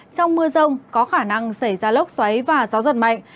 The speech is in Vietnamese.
trong mưa rông có khả năng xảy ra lốc xoáy và gió giật mạnh